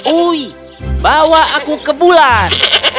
ui bawa aku ke bulan